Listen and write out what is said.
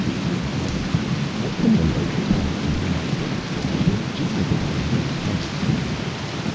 Good heavens, what can the noble family from whom I purchased it have been doing during these hundreds of years!